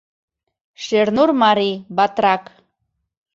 Шернур марий, батрак.